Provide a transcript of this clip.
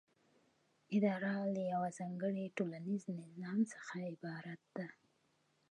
اداره له یوه ځانګړي ټولنیز نظام څخه عبارت ده.